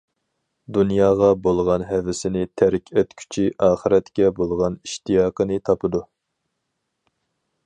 دۇنياغا بولغان ھەۋىسىنى تەرك ئەتكۈچى ئاخىرەتكە بولغان ئىشتىياقىنى تاپىدۇ.